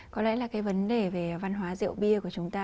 có lẽ là cái vấn đề về văn hóa rượu bia của chúng ta